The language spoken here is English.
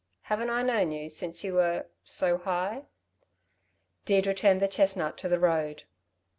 Haven't I known you since you were so high." Deirdre turned the chestnut to the road.